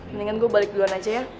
mendingan gue balik duluan aja ya